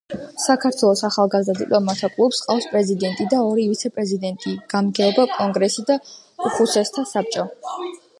საქართველოს ახალგაზრდა დიპლომატთა კლუბს ჰყავს პრეზიდენტი და ორი ვიცე-პრეზიდენტი, გამგეობა, კონგრესი და უხუცესთა საბჭო.